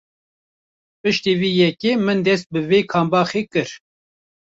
Piştî vê yekê min dest bi vê kambaxê kir!.